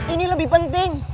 ini lebih penting